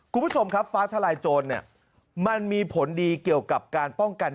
คุณผู้ชมครับฟ้าทลายโจรเนี่ยมันมีผลดีเกี่ยวกับการป้องกัน